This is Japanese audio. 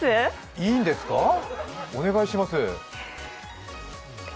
いいんですか、お願いします。